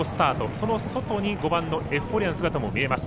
その外に、５番エフフォーリアの姿も見えます。